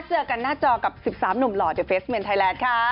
เจอกันหน้าจอกับ๑๓หนุ่มหล่อในเฟสเมนไทยแลนด์ค่ะ